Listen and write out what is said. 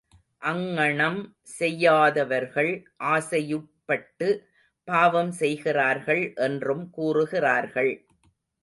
அங்ஙணம் செய்யாதவர்கள் ஆசையுட்பட்டு பாவம் செய்கிறார்கள் என்றும் கூறுகிறார்கள்.